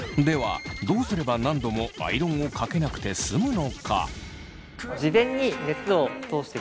ではどうすれば何度もアイロンをかけなくて済むのか？